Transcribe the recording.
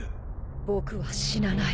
僕は死なない。